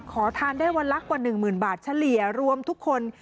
ขอทานได้วันละกว่า๑๐๐๐บาทเฉลี่ยรวมทุกคน